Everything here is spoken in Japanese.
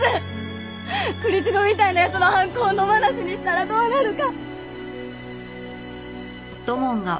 栗城みたいな奴の犯行を野放しにしたらどうなるか。